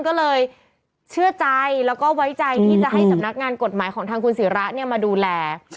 ก็เลยเชื่อใจแล้วก็ไว้ใจที่จะให้สำนักงานกฎหมายของทางคุณศิระมาดูแล